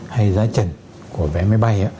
hay giá trần của vé máy bay